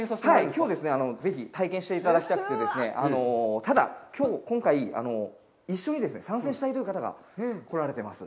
きょうはぜひ体験していただきたくて、ただ、きょう、今回、一緒に参戦したいという方が来られてます。